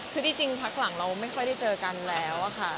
คือจริงพักหลังเราไม่ค่อยได้เจอกันแล้วค่ะ